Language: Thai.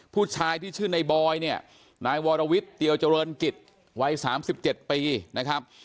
ผู้ชายที่ชื่อในบอยเนี่ยนายวรวิทย์เตียวเจริญกิจวัย๓๗ปีนะครับ